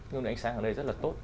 những nơi ánh sáng ở đây rất là tốt